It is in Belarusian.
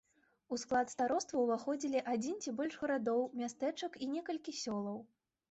У склад староства ўваходзілі адзін ці больш гарадоў, мястэчак і некалькі сёлаў.